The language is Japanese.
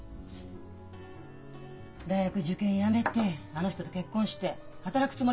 大学受験やめてあの人と結婚して働くつもりある？